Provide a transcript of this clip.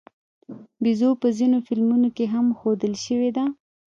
بیزو په ځینو فلمونو کې هم ښودل شوې ده.